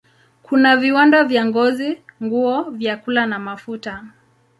Kuna viwanda vya ngozi, nguo, vyakula na mafuta.